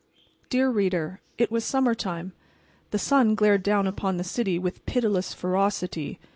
_" Dear Reader: It was summertime. The sun glared down upon the city with pitiless ferocity.